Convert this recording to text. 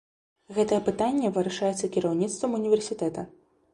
Гэтае пытанне вырашаецца кіраўніцтвам універсітэта.